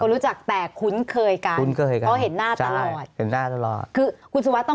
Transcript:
คนรู้จักแต่คุ้นเคยกัน